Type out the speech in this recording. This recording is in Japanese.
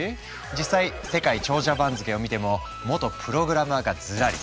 実際世界長者番付を見ても元プログラマーがずらり。